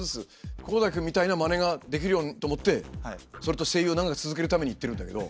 航大君みたいなマネができるようにと思ってそれと声優を長く続けるために行ってるんだけど。